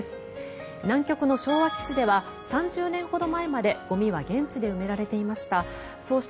南極の昭和基地では３０年ほど前までゴミは現地で埋められていました。